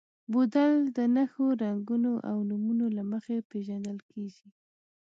بوتل د نښو، رنګونو او نومونو له مخې پېژندل کېږي.